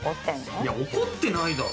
いや怒ってないだろ。